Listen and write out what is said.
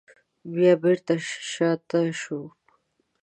بیا بېرته شاته شوم.